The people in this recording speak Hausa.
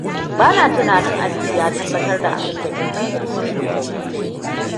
Ba na tunanin Aliyu ya tabbatar da abun da Jummai take so ta yi.